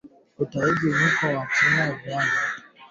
Utahitaji mwiko wa kupikia viazi lishe